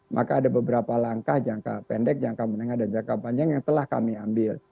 maka ada beberapa langkah jangka pendek jangka menengah dan jangka panjang yang telah kami ambil